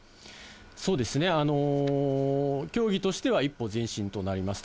そうですね、協議としては一歩前進となります。